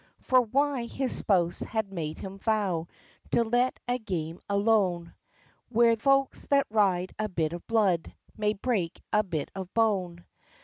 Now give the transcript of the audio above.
For why, his spouse had made him vow To let a game alone, Where folks that ride a bit of blood May break a bit of bone.